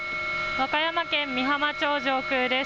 和歌山県美浜町上空です。